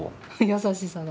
優しさが。